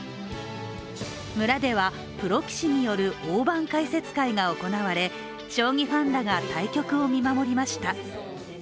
村では、プロ棋士による大盤解説会が行われ将棋ファンらが対局を見守りました。